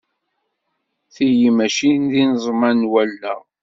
Tiyi mačči d ineẓman n wallaɣ.